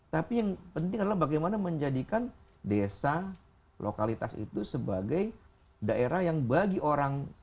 tapi yang penting adalah bagaimana menjadikan desa lokalitas itu sebagai daerah yang bagi orang